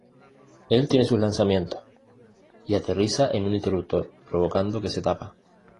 Él tiene sus lanzamientos, y que aterriza en un interruptor, provocando que se tapa.